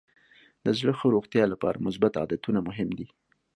د زړه ښه روغتیا لپاره مثبت عادتونه مهم دي.